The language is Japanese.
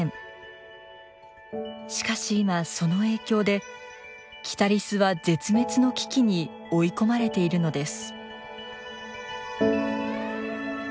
しかし今その影響でキタリスは絶滅の危機に追い込まれているのです。